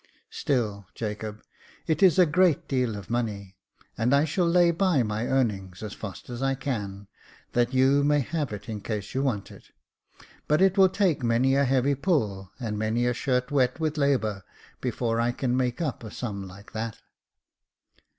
"Still, Jacob, it is a great deal of money ; and I shall Jacob Faithful 321 lay by my earnings as fast as I can, that you may have it in case you want it ; but it will take many a heavy pull and many a shirt wet with labour, before I can make up a sum like that."